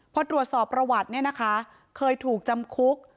พอตรวจสอบประวัติเนี่ยนะคะเคยถูกจำคุก